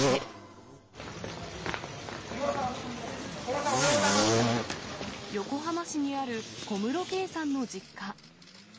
小室さん、おはようございま横浜市にある小室圭さんの実家。